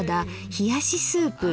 「冷しスープ」。